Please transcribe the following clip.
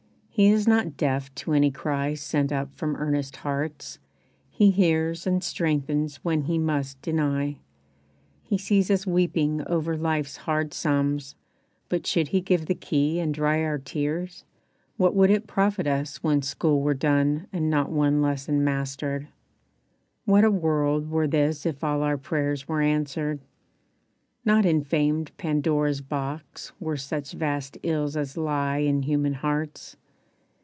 He is not deaf To any cry sent up from earnest hearts, He hears and strengthens when He must deny. He sees us weeping over life's hard sums But should He give the key and dry our tears What would it profit us when school were done And not one lesson mastered? What a world Were this if all our prayers were answered. Not In famed Pandora's box were such vast ills As lie in human hearts.